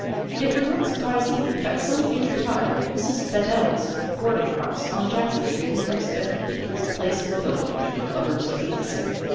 It would not surprise me if at some future time Mrs. Bedell's boarding house, on Jackson Street in Hempstead, becomes a place of pilgrimage for lovers of the essay.